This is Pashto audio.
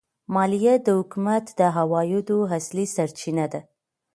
مالیه د حکومت د عوایدو اصلي سرچینه ده.